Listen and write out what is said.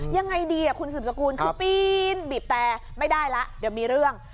ยังไงดีคุณสืบสกุลคือปีนบีบแต่ไม่ได้แล้วเดี๋ยวมีเรื่อง